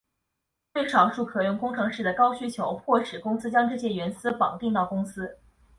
对少数可用工程师的高需求迫使公司将这些员工绑定到公司。